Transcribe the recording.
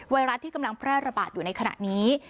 รัฐที่กำลังแพร่ระบาดอยู่ในขณะนี้